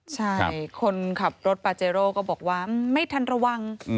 ใช่คนขับรถปาเจโร่ก็บอกว่าไม่ทันระวัง